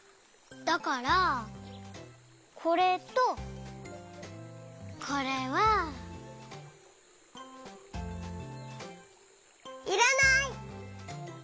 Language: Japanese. だからこれとこれは。いらない！